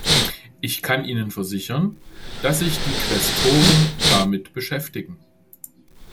Ich kann Ihnen versichern, dass sich die Quästoren damit beschäftigen.